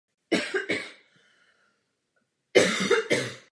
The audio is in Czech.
Změny hladiny moří během holocénu taky mohly přispět k poklesu populace.